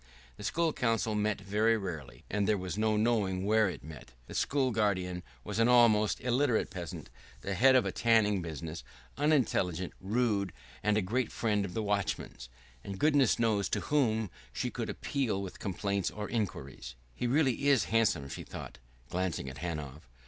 The School Council met very rarely, and there was no knowing where it met; the school guardian was an almost illiterate peasant, the head of a tanning business, unintelligent, rude, and a great friend of the watchman's and goodness knows to whom she could appeal with complaints or inquiries.... "He really is handsome," she thought, glancing at Hanov.